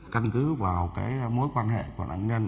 căn cứ vào mối quan hệ của nạn nhân